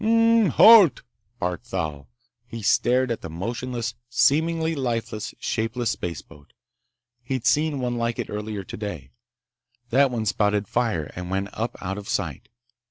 "Hrrrmp, halt!" barked Thal. He stared at the motionless, seemingly lifeless, shapeless spaceboat. He'd seen one like it earlier today. That one spouted fire and went up out of sight.